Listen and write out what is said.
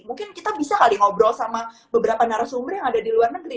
mungkin kita bisa kali ngobrol sama beberapa narasumber yang ada di luar negeri